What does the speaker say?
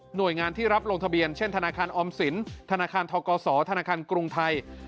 โดยงานที่รับลงทะเบียนเช่นธนาคารออมสินธนาคารทกศธนาคารกรุงไทย